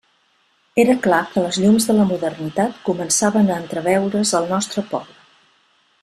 Era clar que les llums de la modernitat començaven a entreveure's al nostre poble.